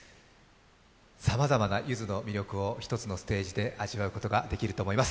さまざまなゆずの魅力を１つのステージで味わうことができると思います。